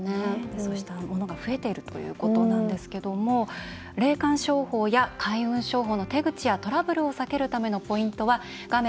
そうしたものが増えているということなんですけども霊感商法や開運商法の手口やトラブルを避けるためのポイントは画面